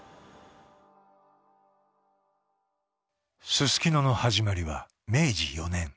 すすきのの始まりは明治４年。